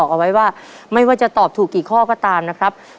ครอบครัวของแม่ปุ้ยจังหวัดสะแก้วนะครับ